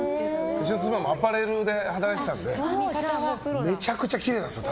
うちの妻もアパレルで働いてたのでめちゃくちゃきれいなんですよ